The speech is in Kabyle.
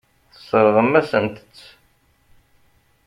Tesseṛɣem-asent-tt.